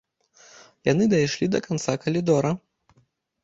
Яны дайшлі да канца калідора.